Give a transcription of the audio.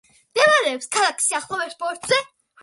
მდებარეობს ქალაქის სიხალოვეს, ბორცვზე.